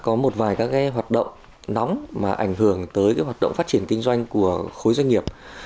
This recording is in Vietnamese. có một vài các hoạt động nóng mà ảnh hưởng tới cái hoạt động phát triển kinh doanh của khối doanh nghiệp